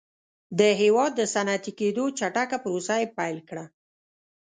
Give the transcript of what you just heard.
د هېواد د صنعتي کېدو چټکه پروسه یې پیل کړه